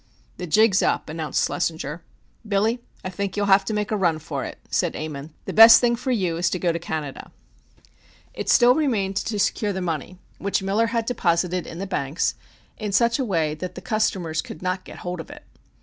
"The jig's up," announced Schlessinger. "Billy, I think you'll have to make a run for it," said Ammon. "The best thing for you is to go to Canada." It still remained to secure the money, which Miller had deposited in the banks, in such a way that the customers could not get hold of it.